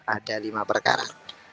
ada lima perkara